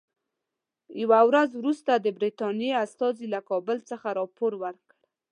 یوه ورځ وروسته د برټانیې استازي له کابل څخه راپور ورکړ.